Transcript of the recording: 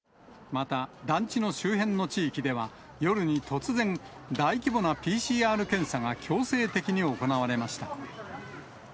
また団地の周辺の地域では、夜に突然、大規模なＰＣＲ検査が強制的に行われました。